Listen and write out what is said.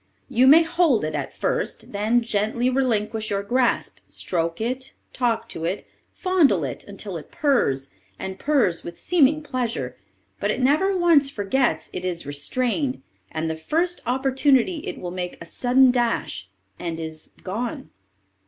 You may hold it at first, then gently relinquish your grasp, stroke it, talk to it, fondle it, until it purrs, and purrs with seeming pleasure, but it never once forgets it is restrained, and the first opportunity it will make a sudden dash, and is gone.